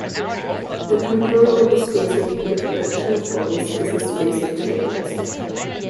The predual of the space of differential forms is the space of chainlets.